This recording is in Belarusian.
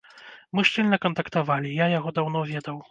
Мы шчыльна кантактавалі, я яго даўно ведаў.